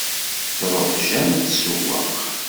Truḥ Jane ad tsewweq.